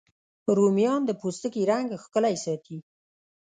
رومیان د پوستکي رنګ ښکلی ساتي